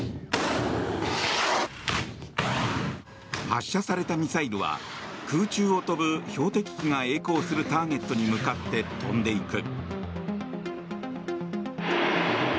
発射されたミサイルは空中を飛ぶ標的機がえい航するターゲットに向かって飛んでいく。